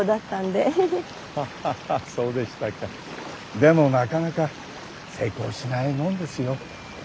でもなかなか成功しないもんですよ。